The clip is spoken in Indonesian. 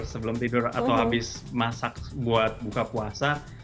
sebelum tidur atau habis masak buat buka puasa